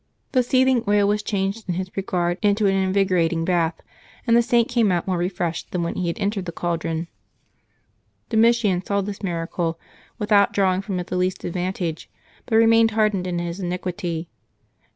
The seething oil was changed in his regard into an invigorating bath, and the Saint came out more re freshed than when he had entered the caldron. Domitian saw this miracle without drawing from it the least advan tage, but remained hardened in his iniquity.